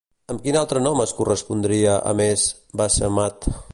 Amb quin altre nom es correspondria, a més, Bassemat?